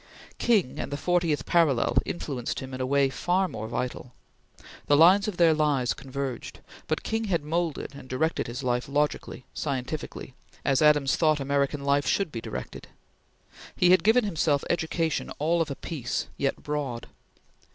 King and the Fortieth Parallel influenced him in a way far more vital. The lines of their lives converged, but King had moulded and directed his life logically, scientifically, as Adams thought American life should be directed. He had given himself education all of a piece, yet broad.